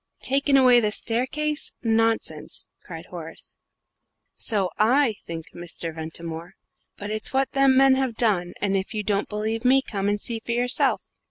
"Taken away the staircase? Nonsense!" cried Horace. "So I think, Mr. Ventimore but it's what them men have done, and if you don't believe me, come and see for yourself!"